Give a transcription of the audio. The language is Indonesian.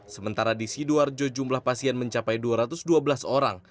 sementara di sidoarjo jumlah pasien mencapai dua ratus dua belas orang